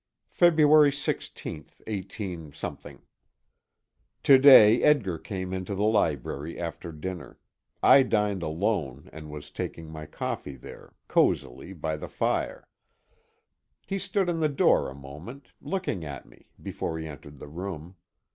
] February 16, 18 . To day Edgar came into the library after dinner I dined alone, and was taking my coffee there, cosily, by the fire. He stood in the door a moment, looking at me, before he entered the room.